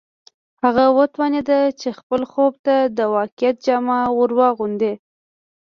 هغه وتوانېد چې خپل خوب ته د واقعیت جامه ور واغوندي